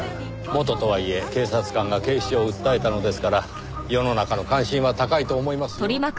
元とはいえ警察官が警視庁を訴えたのですから世の中の関心は高いと思いますよ。